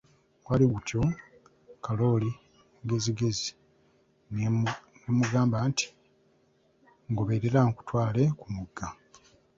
Gwali guli gutyo, Kalooli engezigezi n'emugamba nti, ngoberera nkutwale ku mugga .